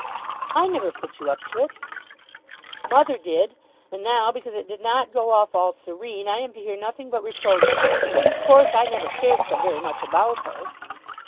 "I never put you up to it." "Mother did. And now because it did not go off all serene, I am to hear nothing but reproaches. Of course I never cared so very much about her."